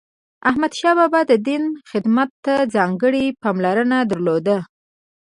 احمدشاه بابا د دین خدمت ته ځانګړی پاملرنه درلوده.